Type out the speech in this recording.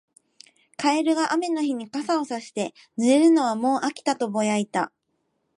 カエルが雨の日に傘をさして、「濡れるのはもう飽きた」とぼやいた。